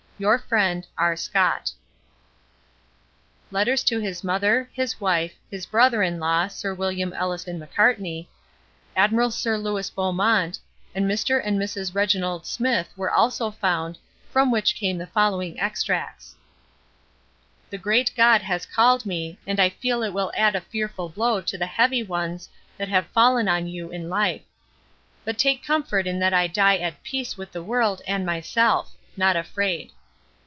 Your friend, R. SCOTT. Letters to his Mother, his Wife, his Brother in law (Sir William Ellison Macartney), Admiral Sir Lewis Beaumont, and Mr. and Mrs. Reginald Smith were also found, from which come the following extracts: The Great God has called me and I feel it will add a fearful blow to the heavy ones that have fallen on you in life. But take comfort in that I die at peace with the world and myself not afraid.